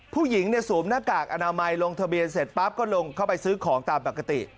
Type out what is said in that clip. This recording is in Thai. ผู้หญิงเนี่ยสวมหน้ากากอนามัยลงทะเบียนเสร็จปั๊บก็ลงเข้าไปซื้อของตามปกติ